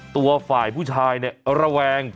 ตัวฝ่ายผู้ชายเนี่ยระแวง